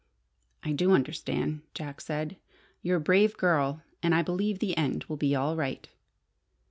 "I do understand," Jack said. "You're a brave girl, and I believe the end will be all right."